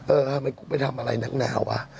เออทำไมกูไปทำอะไรนักหนาวะ